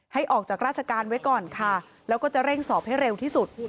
ให้ออกจากราชการไว้ก่อนค่ะแล้วก็จะเร่งสอบให้เร็วที่สุด